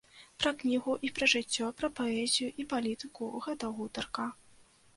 Пра кнігу і пра жыццё, пра паэзію і палітыку гэта гутарка.